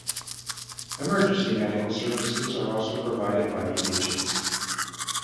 Emergency Medical Services are also provided by the Agents.